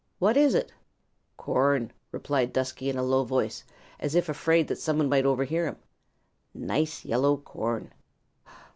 What is it?" "Corn," replied Dusky in a low voice, as if afraid some one might overhear him. "Nice yellow corn."